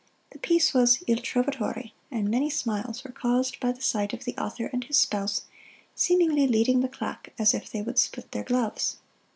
The piece was 'Il Trovatore,' and many smiles were caused by the sight of the author and his spouse seemingly leading the claque as if they would split their gloves."